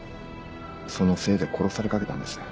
そのせいで殺されかけたんです。